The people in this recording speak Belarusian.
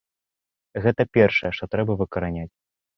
Гэта першае, што трэба выкараняць.